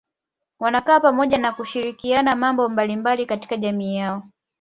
Wanakaa pamoja na kushirikiana mambo mbalimbali katika jamii yao